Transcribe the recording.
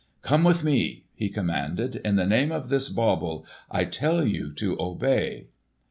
"Come with me!" he commanded. "In the name of this bauble, I tell you to obey."